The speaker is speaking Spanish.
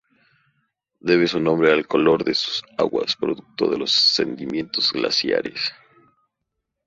Debe su nombre al color de sus aguas, producto de los sedimentos glaciares.